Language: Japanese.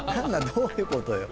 どういうことよ